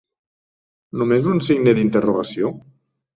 Només un signe d'interrogació ?